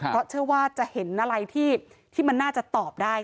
เพราะเชื่อว่าจะเห็นอะไรที่มันน่าจะตอบได้